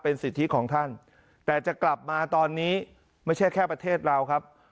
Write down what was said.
สิทธิของท่านแต่จะกลับมาตอนนี้ไม่ใช่แค่ประเทศเราครับ